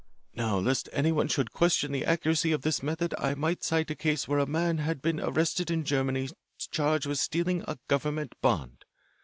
Now lest anyone should question the accuracy of this method I might cite a case where a man had been arrested in Germany charged with stealing a government bond.